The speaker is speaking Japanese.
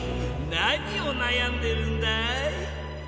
何をなやんでるんだい？